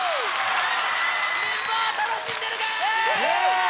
メンバー、楽しんでるか！